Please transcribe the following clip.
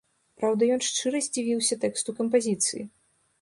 Праўда, ён шчыра здзівіўся тэксту кампазіцыі.